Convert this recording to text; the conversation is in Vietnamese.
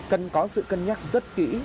cần có sự cân nhắc rất kỹ